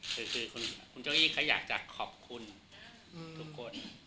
คือคือคุณเจ้าอี้เค้าอยากจะขอบคุณทุกคน